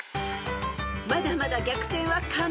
［まだまだ逆転は可能］